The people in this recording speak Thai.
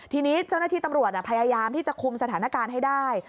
ทีนี้เจ้าหน้าที่ตำรวจพยายามที่จะคุมสถานการณ์ให้ได้